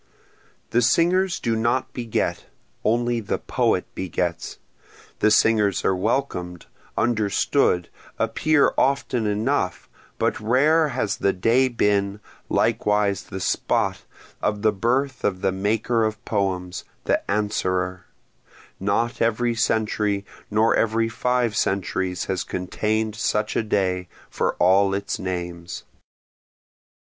The singers do not beget, only the Poet begets, The singers are welcom'd, understood, appear often enough, but rare has the day been, likewise the spot, of the birth of the maker of poems, the Answerer, (Not every century nor every five centuries has contain'd such a day, for all its names.)